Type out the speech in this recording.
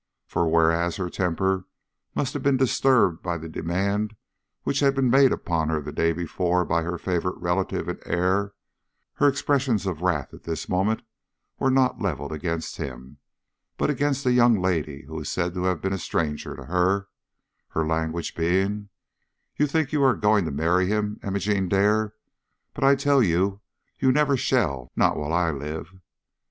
For, whereas her temper must have been disturbed by the demand which had been made upon her the day before by her favorite relative and heir, her expressions of wrath at this moment were not levelled against him, but against a young lady who is said to have been a stranger to her, her language being: "You think you are going to marry him, Imogene Dare; but I tell you you never shall, not while I live."